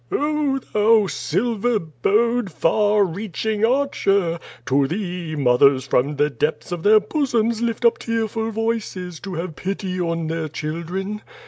"Oh, thou silver bowed, far reaching archer. To thee, mothers from the depth of their bosoms Lift up tearful voices To have pity on their children.